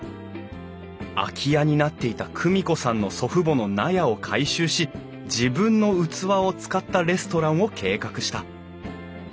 空き家になっていた久美子さんの祖父母の納屋を改修し自分の器を使ったレストランを計画した。